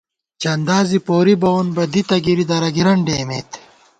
چندا زی پوری بَوون بہ دِتہ گِری، درَگِرَن ڈېئیمېت